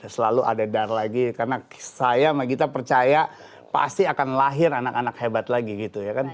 selalu ada dar lagi karena saya sama gita percaya pasti akan lahir anak anak hebat lagi gitu ya kan